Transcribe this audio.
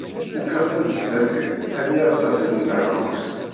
Ufiɣ-ten sdat-i am yiɛessasen n leḥbus.